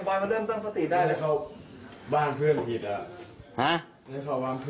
เพื่อนบอกให้เขาบ้านนี้